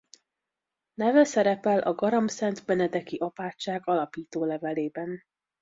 Neve szerepel a garamszentbenedeki apátság alapítólevelében.